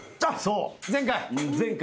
前回。